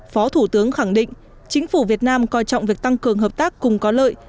phó thủ tướng khẳng định chính phủ việt nam coi trọng việc tăng cường hợp tác cùng có lợi